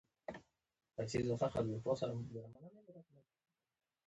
ټولنیز ارزښتونه همکاري، د نورو خیال ساتنه او مسؤلیت دي.